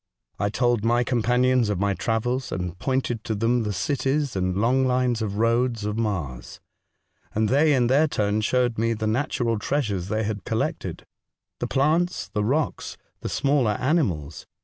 I told my companions of my travels, and pointed to them the cities and long lines of roads of Mars. They in their turn showed me the natural treasures they had collected — the plants, the rocks, the smaller animals.